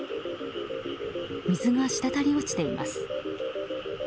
水がしたたり落ちています。